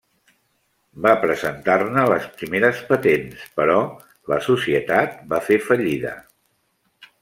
Va presentar-ne les primeres patents, però la societat va fer fallida.